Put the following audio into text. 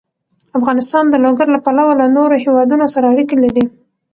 افغانستان د لوگر له پلوه له نورو هېوادونو سره اړیکې لري.